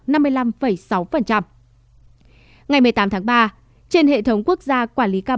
ngày một mươi tám tháng ba trên hệ thống quốc gia quản lý cam